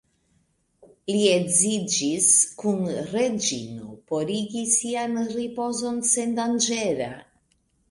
Li edziĝis kun Reĝino por igi sian ripozon sendanĝera.